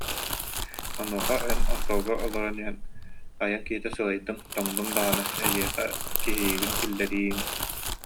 Онуоха эн остуолга олорон иһэн: «Айан киһитэ сылайдым, тоҥнум даҕаны, эйиэхэ кэһиибин киллэриим»